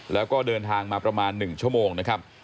แล้วก็เดินทางมาประมาณ๑ชั่วโมงนะครับ